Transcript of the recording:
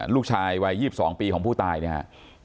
ลูกชายวัย๒๒ปีของผู้ตายนะครับ